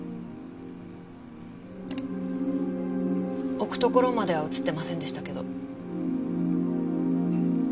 置くところまでは映ってませんでしたけど。